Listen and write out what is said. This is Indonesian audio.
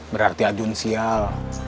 berarti ajun sial